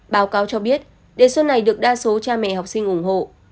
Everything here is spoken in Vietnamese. báo cáo cho biết đề xuất này được đa số cha mẹ học sinh ủng hộ